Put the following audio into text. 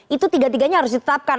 itu tiga tiganya harus ditetapkan